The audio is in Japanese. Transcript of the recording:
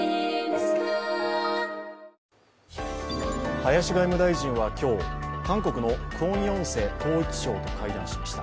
林外務大臣は今日、韓国のクォン・ヨンセ統一相と会談しました。